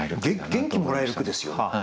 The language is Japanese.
元気もらえる句ですよね。